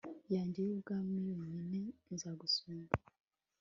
yanjye y ubwami yonyine nzagusumba